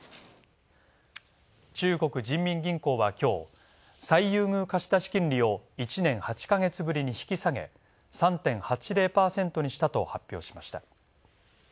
中国人民銀行は今日、最優遇貸出金利を１年８ヶ月ぶりに引き下げ、３．８０％にしたと発表しました。